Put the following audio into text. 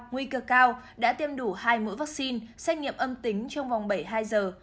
nguy cơ cao đã tiêm đủ hai mũi vaccine xét nghiệm âm tính trong vòng bảy mươi hai giờ